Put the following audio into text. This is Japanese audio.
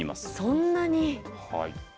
そんなに。